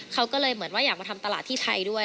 เขาก็เลยเหมือนว่าอยากมาทำตลาดที่ไทยด้วย